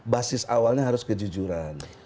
basis awalnya harus kejujuran